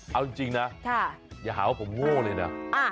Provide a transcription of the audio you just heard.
เอาจริงนะอย่าหาว่าผมโง่เลยนะ